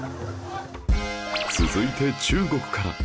続いて中国から